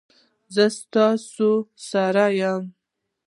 زه ستاسو سره یم